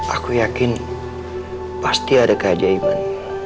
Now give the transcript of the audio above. aku yakin pasti ada keajaiban